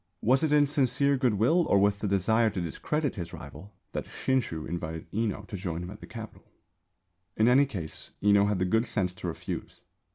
Was it in sincere goodwill or with the desire to discredit his rival that Shinshū invited Enō to join him at the Capital? In any case Enō had the good sense to refuse.